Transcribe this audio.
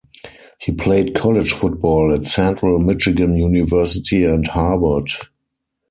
He played college football at Central Michigan University and Howard.